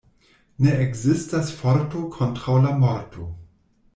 Ne ekzistas forto kontraŭ la morto.